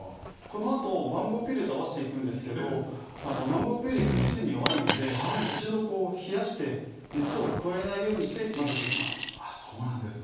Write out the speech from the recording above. この後マンゴーピューレと合わせて行くんですけどマンゴーピューレが熱に弱いので一度冷やして熱を加えないようにして混ぜて行きます。